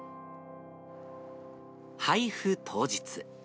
配布当日。